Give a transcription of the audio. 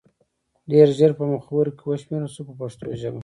ډېر ژر په مخورو کې وشمېرل شو په پښتو ژبه.